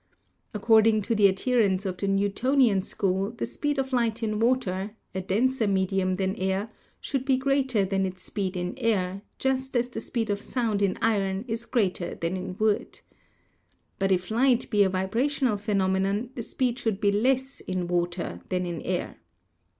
According to the adherents of the Newtonian school the speed of light in water — a denser medium than air — should be greater than its speed in air, just as the speed of sound in iron is greater than in wood. But if light be a vibrational phenomenon the speed should be less in water than in air.